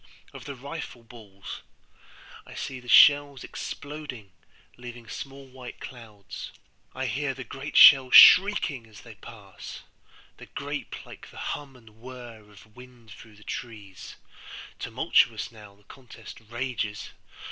of the rifle balls;I see the shells exploding, leaving small white clouds—I hear the great shells shrieking as they pass; The grape, like the hum and whirr of wind through the trees, (quick, tumultuous, now the contest rages!)